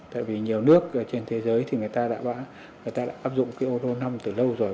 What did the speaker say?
tại vì nhiều nước trên thế giới thì người ta đã áp dụng cái ô tô năm từ lâu rồi